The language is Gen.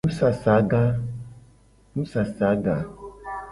Nusasaga.